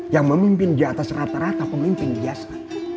yang memimpin di atas rata rata pemimpin biasa